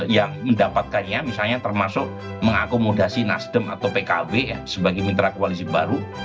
yang mendapatkannya misalnya termasuk mengakomodasi nasdem atau pkb sebagai mitra koalisi baru